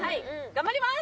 頑張ります！